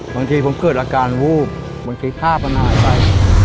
บางทีผมเกิดอาการวูบมันคิดแพร่ระนายไป